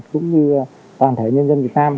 cũng như toàn thể nhân dân việt nam